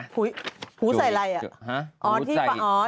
หูใส่อะไรอ่ะ